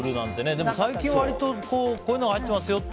でも最近割とこういうの入ってますよって。